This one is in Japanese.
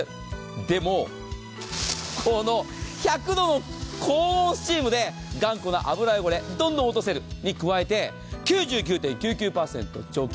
でもこの１００度の高温スチームで頑固な油汚れどんどん落とせる。に加えて９９．９９％除菌。